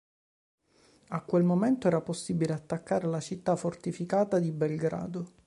A quel momento era possibile attaccare la città fortificata di Belgrado.